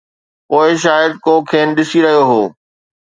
پوءِ شايد ڪو کين ڏسي رهيو هو.